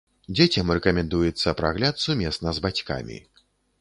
Дзецям рэкамендуецца прагляд сумесна з бацькамі.